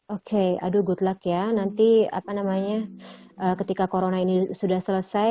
oke aduh good luck ya nanti apa namanya ketika corona ini sudah selesai